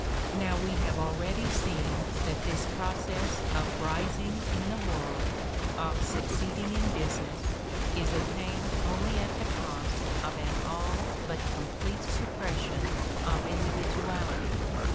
Now, we have already seen that this process of "ris ing in the world," of succeeding in business, is attained only at the cost of an all but complete suppression of individuality.